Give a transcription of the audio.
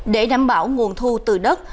để đảm bảo nguồn thu từ đất